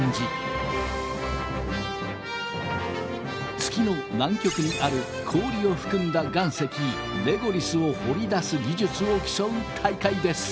月の南極にある氷を含んだ岩石レゴリスを掘り出す技術を競う大会です。